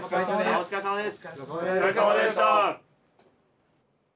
お疲れさまでした。